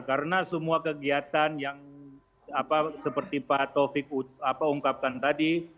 karena semua kegiatan yang seperti pak taufik ungkapkan tadi